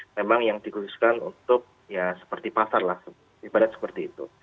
memang yang dikhususkan untuk ya seperti pasar lah ibarat seperti itu